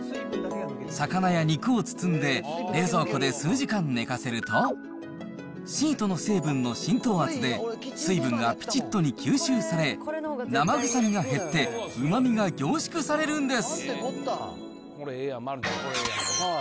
魚や肉を包んで、冷蔵庫で数時間寝かせると、シートの成分の浸透圧で、水分がピチットに吸収され、生臭みが減って、うまみが凝縮されるんです。